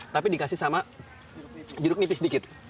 tapi dikasih sama jeruk nipis sedikit